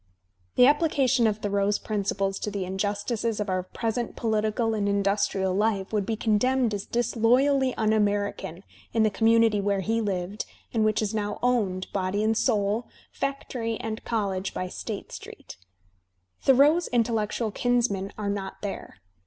The application of Thoreau's principles to the injustices of our present political and industrial life would be condemned as disloyally "^'un American" in the community where he lived and which is now owned, body and soul,* factory and college, by State Street. Thoreau's intellectual kinsmen are not there.